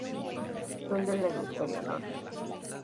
Son del hemisferio norte.